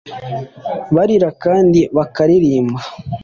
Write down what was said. barira kandi bakaririmba